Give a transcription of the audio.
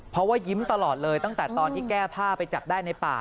เพราะว่ายิ้มตลอดเลยตั้งแต่ตอนที่แก้ผ้าไปจับได้ในป่า